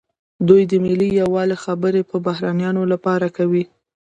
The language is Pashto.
دوی د ملي یووالي خبرې د بهرنیانو لپاره کوي.